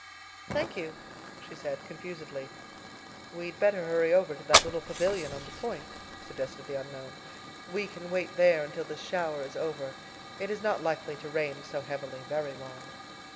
"Thank you," she said confusedly. "We'd better hurry over to that little pavillion on the point," suggested the unknown. "We can wait there until this shower is over. It is not likely to rain so heavily very long."